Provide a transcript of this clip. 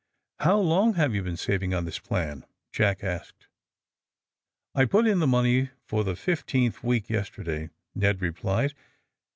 '' ^^How long have you been saving on this plan?" Jack asked. ^^I put in the money for the fifteenth week yesterday," Ned replied.